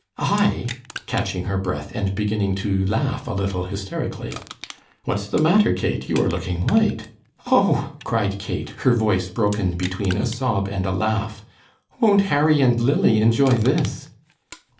"I?" catching her breath, and beginning to laugh a little hysterically. "What's the matter, Kate? You are looking white." "Oh," cried Kate, her voice broken between a sob and a laugh, "won't Harry and Lily enjoy this?"